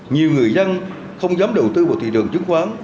nhiều người dân không dám đầu tư vào thị trường chứng khoán